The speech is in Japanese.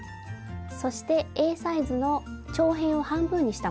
そしてＡ４サイズの長辺を半分にしたもの。